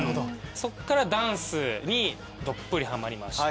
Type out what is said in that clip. そっからダンスにどっぷりハマりまして。